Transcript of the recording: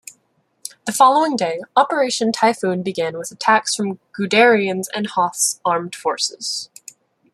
The following day, Operation Typhoon began with attacks from Guderian's and Hoth's armored forces.